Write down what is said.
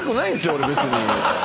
俺別に。